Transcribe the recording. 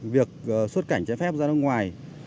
việc xuất cảnh trái phép ra nước ngoài